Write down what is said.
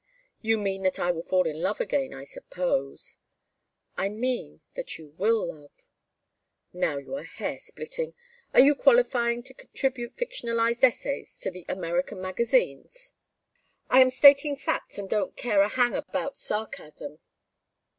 "You mean that I will fall in love again, I suppose." "I mean that you will love." "Now you are hair splitting. Are you qualifying to contribute fictionized essays to the American magazines?" "I am stating facts and don't care a hang about sarcasm.